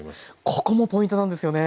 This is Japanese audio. ここもポイントなんですよね？